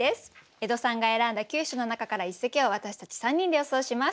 江戸さんが選んだ９首の中から一席を私たち３人で予想します。